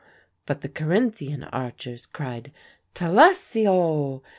but the Carinthian Archers cried "Talassio!"